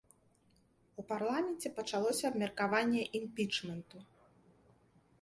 У парламенце пачалося абмеркаванне імпічменту.